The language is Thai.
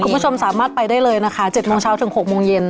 คุณผู้ชมสามารถไปได้เลยนะคะ๗โมงเช้าถึง๖โมงเย็น